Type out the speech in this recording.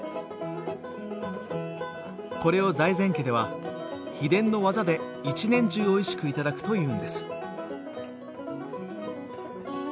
これを財前家では秘伝の技で一年中おいしく頂くというんです。